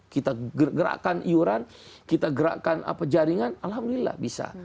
kita gerakan iuran kita gerakan jaringan alhamdulillah bisa